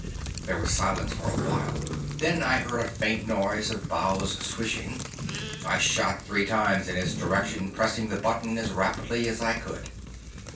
There was silence for a while. Then I heard a faint sound of boughs swishing. I shot three times in its direction, pressing the button as rapidly as I could.